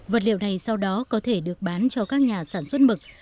vật liệu này sau đó có thể được bán cho các nhà sản xuất mực